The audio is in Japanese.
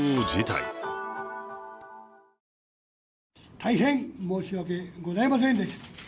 大変、申し訳ございませんでした